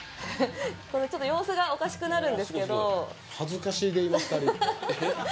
ちょっと様子がおかしくなるんですけどあ